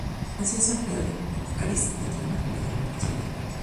Nació en San Pedro de Macorís, dentro de una familia de larga tradición intelectual.